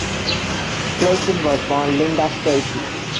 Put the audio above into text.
Klassen was born Linda Stacey.